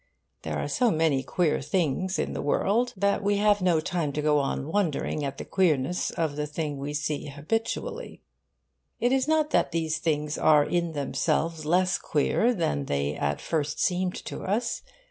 There are so many queer things in the world that we have no time to go on wondering at the queerness of the things we see habitually. It is not that these things are in themselves less queer than they at first seemed to us.